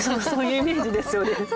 そういうイメージですよね。